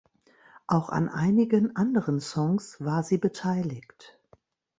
Auch an einigen anderen Songs war sie beteiligt.